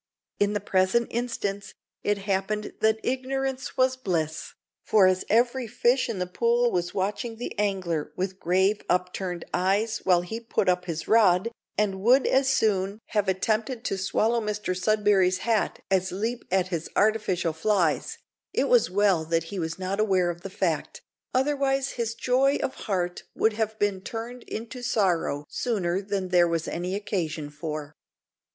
In the present instance it happened that "ignorance was bliss," for as every fish in the pool was watching the angler with grave upturned eyes while he put up his rod, and would as soon have attempted to swallow Mr Sudberry's hat as leap at his artificial flies, it was well that he was not aware of the fact, otherwise his joy of heart would have been turned into sorrow sooner than there was any occasion for.